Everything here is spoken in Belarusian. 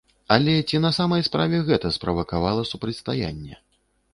Але ці на самай справе гэта справакавала супрацьстаянне?